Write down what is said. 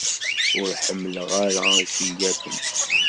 Ur ḥemmleɣ ara iceyyaten.